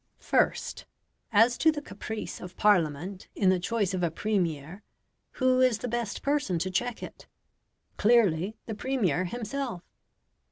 First. As to the caprice of Parliament in the choice of a Premier, who is the best person to check it? Clearly the Premier himself.